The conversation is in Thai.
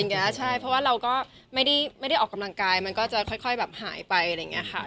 ใช่เพราะว่าเราก็ไม่ได้ออกกำลังกายมันก็จะค่อยแบบหายไปอะไรอย่างนี้ค่ะ